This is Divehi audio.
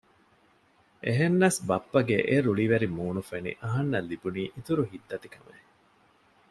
އެހެންނަސް ބައްޕަގެ އެ ރުޅިވެރި މޫނު ފެނި އަހަންނަށް ލިބުނީ އިތުރު ހިތްދަތިކަމެއް